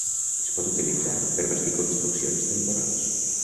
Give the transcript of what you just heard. Es pot utilitzar per bastir construccions temporals.